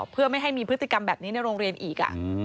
เพื่อไม่ให้มีพฤติกรรมแบบนี้ในโรงเรียนอีก